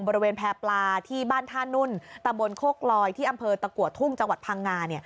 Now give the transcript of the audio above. บริเวณแพร่ปลาที่บ้านท่านุ่นตำบลโคกลอยที่อำเภอตะกัวทุ่งจังหวัดพังงา